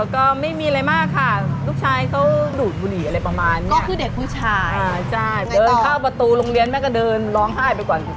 ก็นะคะอยู่วานนึงอยู่โครงเรียนก็โทรมาว่า